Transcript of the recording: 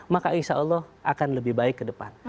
maka insya allah akan lebih baik ke depan